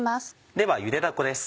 ではゆでだこです。